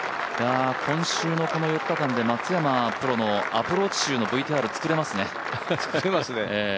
今週のこの４日間で松山プロのアプローチ集のＶＴＲ、作れますね。